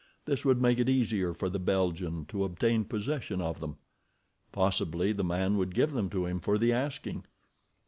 This would make it easier for the Belgian to obtain possession of them. Possibly the man would give them to him for the asking.